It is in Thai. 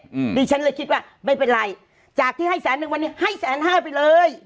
อืมดิฉันเลยคิดว่าไม่เป็นไรจากที่ให้แสนนึงวันนี้ให้แสนห้าไปเลย